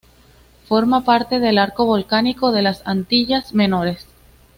Forma parte del Arco volcánico de las Antillas Menores.